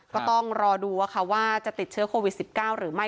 ก็ต้องรอดูว่าจะติดเชื้อโควิด๑๙หรือไม่